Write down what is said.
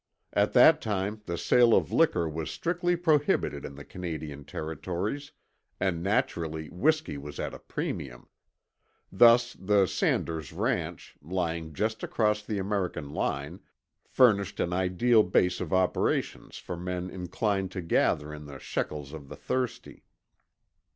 At that time the sale of liquor was strictly prohibited in the Canadian Territories, and naturally whisky was at a premium. Thus the Sanders ranch, lying just across the American line, furnished an ideal base of operations for men inclined to gather in the shekels of the thirsty.